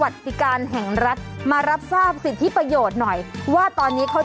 ใช้เมียได้ตลอด